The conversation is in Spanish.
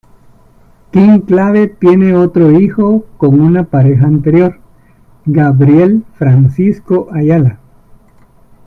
King Clave tiene otro hijo con una pareja anterior, Gabriel Francisco Ayala.